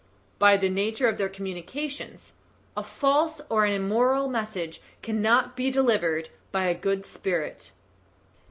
"By the nature of their communications. A false or an immoral message cannot be delivered by a good spirit."